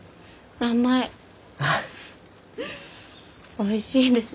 おいしいです。